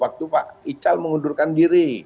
waktu pak ical mengundurkan diri